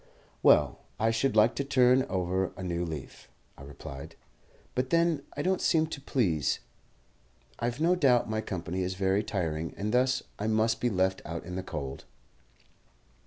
"Well, I should like to turn over a new leaf," I replied; "but then I don't seem to please. I've no doubt my company is very tiring, and thus I must be left out in the cold."